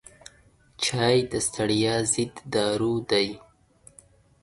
چای د ستړیا ضد دارو دی.